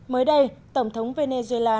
mới đây tổng thống venezuela